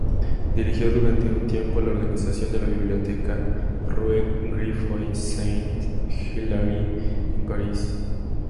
Dirigió durante un tiempo la organización de la biblioteca, rue Geoffroy-Saint-Hilaire en París.